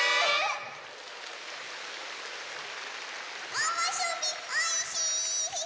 おむすびおいしい！